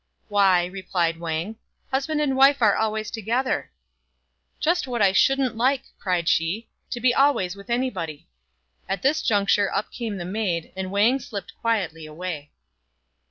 "Why," replied Wang, "husband and wife are always to gether." "Just what I shouldn't like," cried she, "to be always with anybody." 7 At this juncture up came the maid, and Wang slipped quietly away.